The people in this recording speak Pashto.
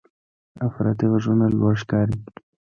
افراطي غږونه لوړ ښکاري.